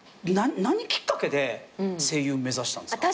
何きっかけで声優目指したんですか？